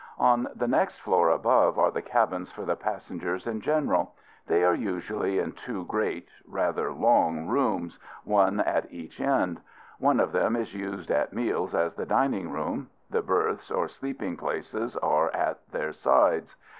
On the next floor above are the cabins for the passengers in general. They are usually in two great rather long rooms, one at each end. One of them is used at meals as the dining room. The berths or sleeping places are at their sides.